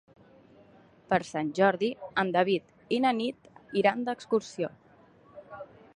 Per Sant Jordi en David i na Nit iran d'excursió.